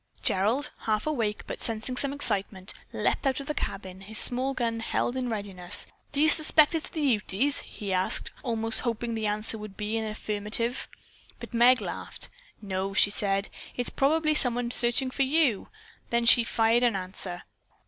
Gerald, half awake, but sensing some excitement, leaped out of the cabin, his small gun held in readiness. "Do you 'spect it's the Utes?" he asked, almost hoping that the answer would be in the affirmative. But Meg laughed. "No," she said. "It is probably someone searching for you." Then she fired in answer.